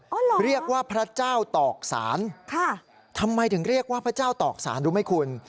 เหรอเรียกว่าพระเจ้าตอกสารค่ะทำไมถึงเรียกว่าพระเจ้าตอกสารรู้ไหมคุณ